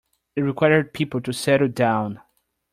It required people to settle down.